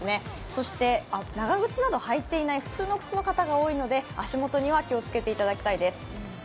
そして、長靴などを履いていない普通の靴の方が多いので足元には気をつけていただきたいです。